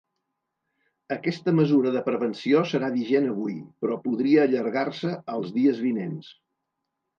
Aquesta mesura de prevenció serà vigent avui, però podria allargar-se als dies vinents.